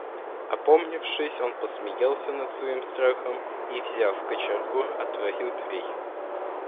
Опомнившись, он посмеялся над своим страхом и, взяв кочергу, отворил дверь.